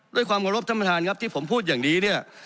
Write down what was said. ด้วยความรับธรรมฐานครับที่ผมพูดอย่างนี้เนี่ย